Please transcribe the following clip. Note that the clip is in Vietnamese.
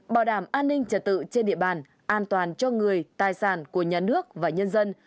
bảo đảm an ninh trật tự trên địa bàn an toàn cho người tài sản của nhà nước và nhân dân